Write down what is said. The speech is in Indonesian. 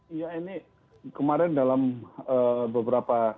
iya ini kemarin dalam beberapa